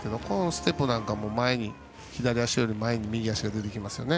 ステップなんかも左足より前に右足が出ますね。